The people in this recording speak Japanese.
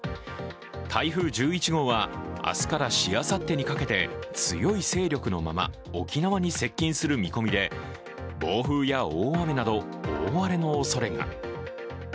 台風１１号は、明日からしあさってにかけて強い勢力のまま沖縄に接近する見込みで暴風や大雨など大荒れのおそれが。